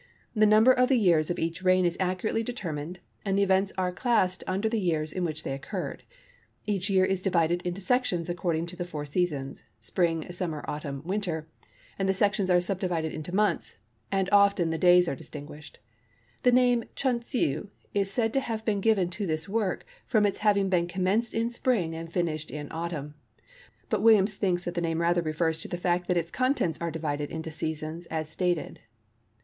The number of the years of each reign is accurately determined, and the events are classed under the years in which they occurred. Each year is divided into sections according to the four seasons, Spring, Summer, Autumn, Winter, and the sections are subdivided into months, and often the days are distinguished. The name Chun Tsew is said to have been given to this work from its having been commenced in Spring and finished in Autumn, but Williams thinks that the name rather refers to the fact that its contents are divided into seasons as stated.